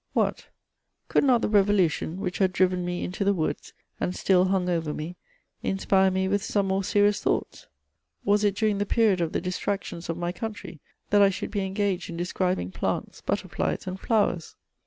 What ! could not the Revolution, which had driven me into the woods, and still hung over me, inspire me with some more serious thoughts ? Was it during the period of the distrac tions of my country that I should be engaged in describing plants, butterflies, and flowers